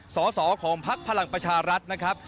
สอสอของพักพลังประชารัฐนะครับ